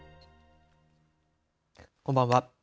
こんばんは。